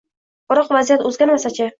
Biroq vaziyat o‘zgarmasachi?